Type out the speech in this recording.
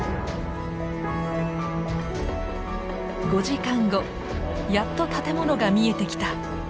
５時間後やっと建物が見えてきた！